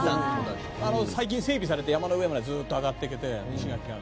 最近、整備されて山の上までずっと上がっていけて。